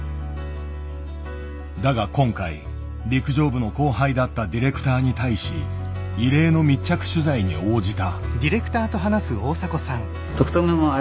だが今回陸上部の後輩だったディレクターに対し異例の密着取材に応じた。